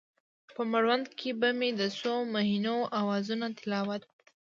په مړوند کې به مې د څو مهینو اوازونو تلاوت،